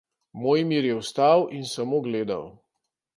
Mojmir je vstal in samo gledal.